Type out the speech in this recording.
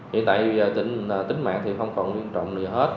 hiện tại tính mạng thì không còn nghiêm trọng gì hết